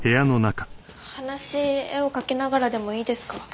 話絵を描きながらでもいいですか？